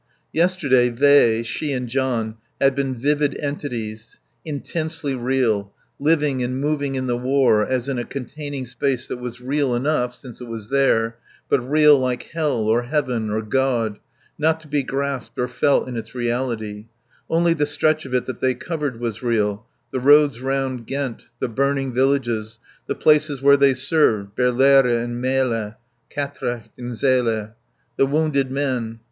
Yesterday they, she and John, had been vivid entities, intensely real, living and moving in the war as in a containing space that was real enough, since it was there, but real like hell or heaven or God, not to be grasped or felt in its reality; only the stretch of it that they covered was real, the roads round Ghent, the burning villages, the places where they served, Berlaere and Melle, Quatrecht and Zele; the wounded men.